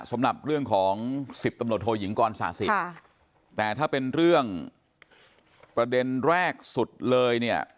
สำหรับเรื่องของสิบตำรวจโทยิงกรศาสิแต่ถ้าเป็นเรื่องประเด็นแรกสุดเลยเนี่ย